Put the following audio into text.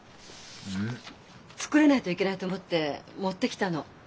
うん？作れないといけないと思って持ってきたの。